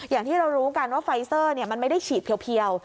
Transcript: อย่างที่เรารู้กันว่าไฟเซอร์มันไม่ได้ฉีดเพียว